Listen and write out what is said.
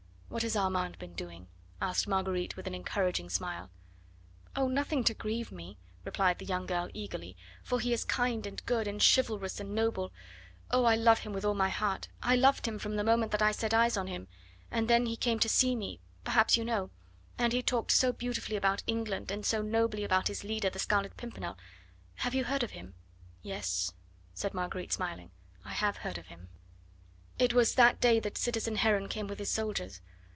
"What has Armand been doing?" asked Marguerite with an encouraging smile. "Oh, nothing to grieve me!" replied the young girl eagerly, "for he is kind and good, and chivalrous and noble. Oh, I love him with all my heart! I loved him from the moment that I set eyes on him, and then he came to see me perhaps you know! And he talked so beautiful about England, and so nobly about his leader the Scarlet Pimpernel have you heard of him?" "Yes," said Marguerite, smiling. "I have heard of him." "It was that day that citizen Heron came with his soldiers!